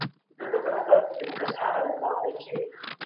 رایي څنګه شمیرل کیږي؟